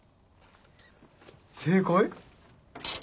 正解？